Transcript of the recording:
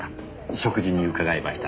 食事に伺いました。